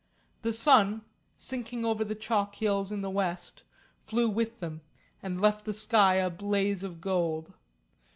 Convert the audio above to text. The sun, sinking over the chalk hills in the west, fell with them, and left the sky a blaze of gold.